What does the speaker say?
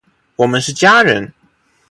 我们是家人！